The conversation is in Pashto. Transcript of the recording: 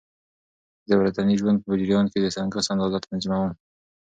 زه د ورځني ژوند په جریان کې د سنکس اندازه تنظیموم.